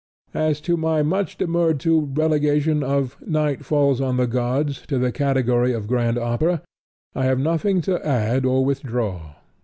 As to my much demurred to relegation of Night Falls On The Gods to the category of grand opera, I have nothing to add or withdraw.